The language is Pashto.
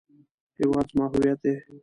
هیواد زما هویت دی